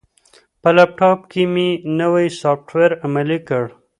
په لپټاپ کې مې نوی سافټویر عملي کړ.